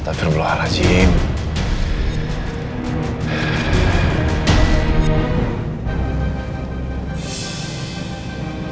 tapi kenapa pak surya nggak jawab